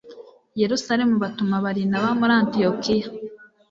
yerusalemu batuma barinaba muri antiyokiya